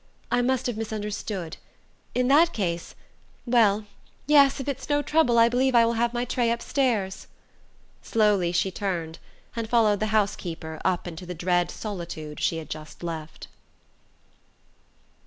"I must have misunderstood. In that case... well, yes, if it's no trouble, I believe I will have my tray upstairs." Slowly she turned, and followed the housekeeper up into the dread solitude she had just left.